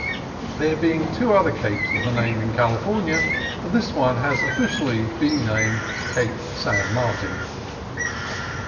There being two other capes of the name in California, this one has been officially named Cape San Martin.